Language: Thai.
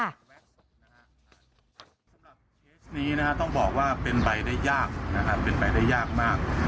สำหรับเกษตรนี้ต้องบอกว่าเป็นใบได้ยากเป็นใบได้ยากมาก